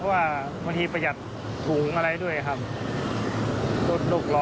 วันที่ประหยัดถูกอะไรด้วยครับปรดร๋อรทต่อ